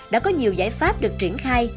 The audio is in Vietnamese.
đã có nhiều giải pháp được triển khai